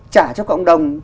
trả cho cộng đồng